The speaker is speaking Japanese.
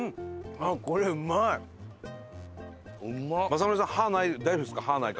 雅紀さん歯ない大丈夫ですか？